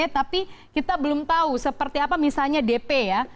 tapi kita belum tahu seperti apa misalnya dp ya